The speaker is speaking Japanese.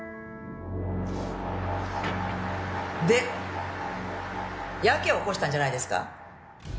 でやけを起こしたんじゃないですか？